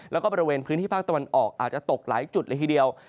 แล้วก็บริเวณพื้นที่ภาคตะวันออกอาจจะตกหลายจุดเลยทีเดียว